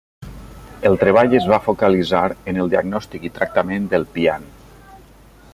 El treball es va focalitzar en el diagnòstic i tractament del pian.